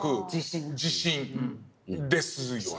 自信ですよね。